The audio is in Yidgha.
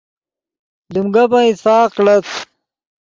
لیم گپن اتفاق کڑت